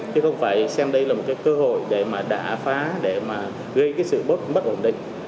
chứ không phải xem đây là một cơ hội để đả phá gây sự bất ổn định